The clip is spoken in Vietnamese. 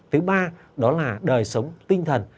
thứ ba đó là đời sống tinh thần